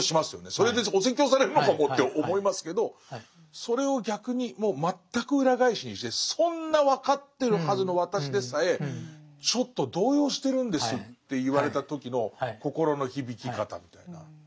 それでお説教されるのかもって思いますけどそれを逆にもう全く裏返しにしてそんな分かってるはずの私でさえちょっと動揺してるんですって言われた時の心の響き方みたいな。